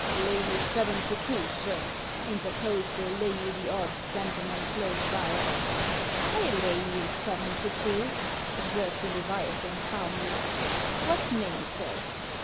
" Lay you seven to two, sir," interposed a lay you the odds gentleman close by. " rU lay you seven to two," observed the leviathan calmly. "What name, sir?